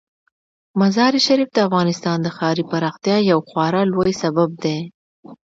مزارشریف د افغانستان د ښاري پراختیا یو خورا لوی سبب دی.